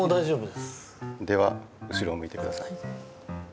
では後ろをむいてください。